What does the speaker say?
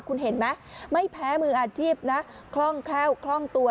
คุณเห็นไหมไม่แพ้มืออาชีพนะคล่องแคล่วคล่องตัว